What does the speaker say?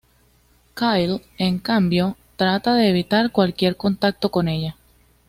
Kyle, en cambio, trata de evitar cualquier contacto con ella.